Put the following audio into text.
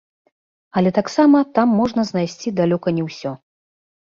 Але таксама там можна знайсці далёка не ўсё.